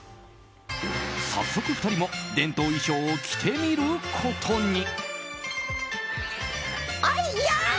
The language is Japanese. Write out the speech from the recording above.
早速、２人も伝統衣装を着てみることに。